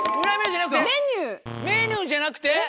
ピンポンメニューじゃなくて。